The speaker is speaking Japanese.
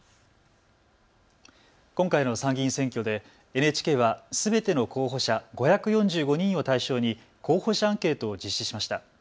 今回の参議院選挙でＮＨＫはすべての候補者５４５人を対象に候補者アンケートを実施しました。